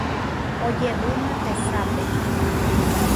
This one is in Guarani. Ojevýma tesape